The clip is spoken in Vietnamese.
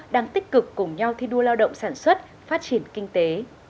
đang tích cực cùng nhau thi đua lao động sản xuất phát triển kinh tế